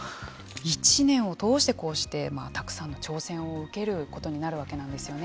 １年を通して、こうしてたくさんの挑戦を受けることになるわけなんですよね。